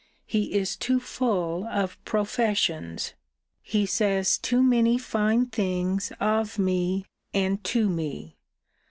He is too full of professions. He says too many fine things of me, and to me.